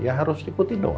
ya harus diputih dong